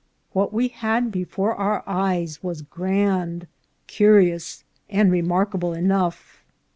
What we had before our eyes was grand, curious, and remarkable enough.